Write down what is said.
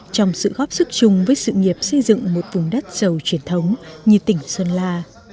trong sự góp sức chung với sự nghiệp xây dựng một vùng đất giàu truyền thống như tỉnh sơn la